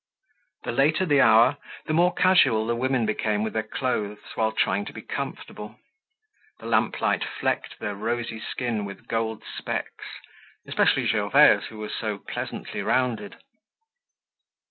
The later the hour the more casual the women became with their clothes while trying to be comfortable. The lamplight flecked their rosy skin with gold specks, especially Gervaise who was so pleasantly rounded.